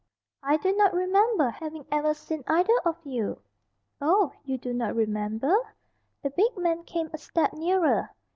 "I do not remember having ever seen either of you." "Oh, you do not remember?" The big man came a step nearer.